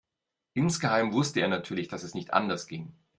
Insgeheim wusste er natürlich, dass es nicht anders ging.